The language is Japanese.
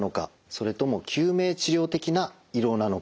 それとも救命治療的な胃ろうなのか。